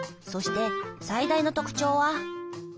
そして最大の特徴は。